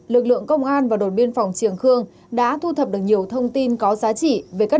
lực lượng công an và đồn biên phòng triềng khương đã thu thập được nhiều thông tin có giá trị về các